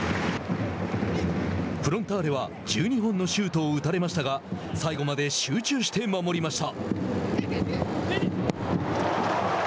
フロンターレは１２本のシュートを打たれましたが最後まで集中して守りました。